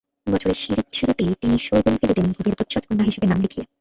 বছরের শুরুতেই তিনি শোরগোল ফেলে দেন ভোগের প্রচ্ছদকন্যা হিসেবে নাম লিখিয়ে।